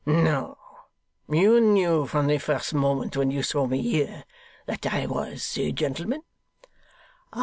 'No! You knew from the first moment when you saw me here, that I was a gentleman?